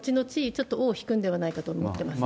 ちょっと尾を引くんではないかと思ってますね。